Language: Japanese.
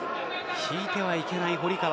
引いてはいけない堀川。